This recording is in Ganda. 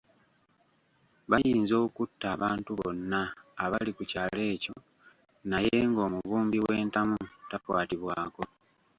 Bayinza okutta abantu bonna abali ku kyalo ekyo naye ng’omubumbi w’entamu takwatibwako.